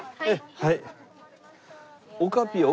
はい。